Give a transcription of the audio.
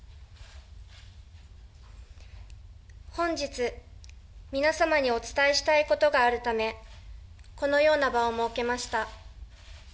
本日、皆さんにお伝えしたいことがあるため、このような場を設けました。